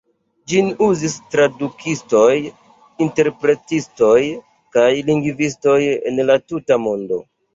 Ĝin uzis tradukistoj, interpretistoj kaj lingvistoj en la tuta mondo.